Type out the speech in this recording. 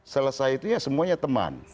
selesai itu ya semuanya teman